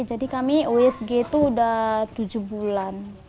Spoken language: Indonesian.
jadi kami osg itu sudah tujuh bulan